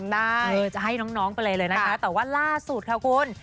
ได้จะให้น้องไปเลยเลยนะคะแต่ว่าล่าสุดค่ะคุณ